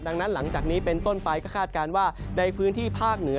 ดังนั้นหลังจากนี้เป็นต้นไปก็คาดการณ์ว่าในพื้นที่ภาคเหนือ